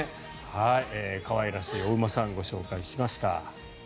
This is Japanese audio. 可愛らしいお馬さんをご紹介しました。